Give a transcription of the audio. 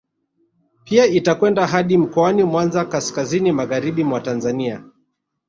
Pia itakwenda hadi mkoani Mwanza kaskazini magharibi mwa Tanzania